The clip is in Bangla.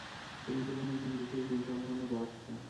তিনি ছিলেন একজন বিশেষ গুণসম্পন্ন বাচ্চা।